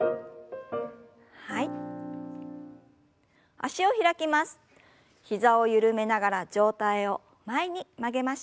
脚を開きます。